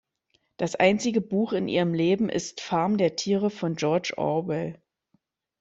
Das einzige Buch in ihrem Leben ist Farm der Tiere von George Orwell.